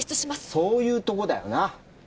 そういうとこだよな。